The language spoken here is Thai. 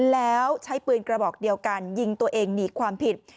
แล้วใช้ปืนกระบอกเดียวกันยิงตัวเองหนีความผิด